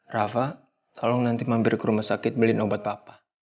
rafa tolong nanti mampir ke rumah sakit beliin obat papa